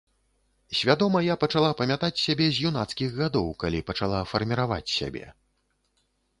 Свядома я пачала памятаць сябе з юнацкіх гадоў, калі пачала фарміраваць сябе.